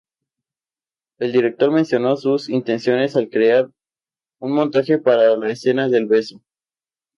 El director mencionó sus intenciones al "crear un montaje para la escena del beso.